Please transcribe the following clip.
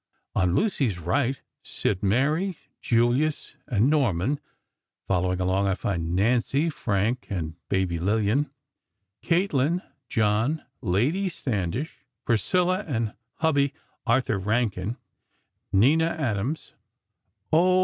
On Lucy's right sit Mary, Julius and Norman; following along, I find Nancy, Frank and Baby Lillian, Kathlyn, John, Lady Standish, Priscilla and Hubby Arthur Rankin; Nina Adams, Oh!